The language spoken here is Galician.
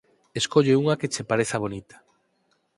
Escolle unha que che pareza bonita